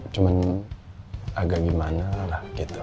cuma agak gimana lah gitu